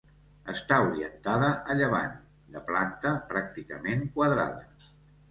Està orientada a llevant, de planta pràcticament quadrada.